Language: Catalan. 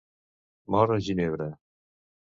Mor a Ginebra.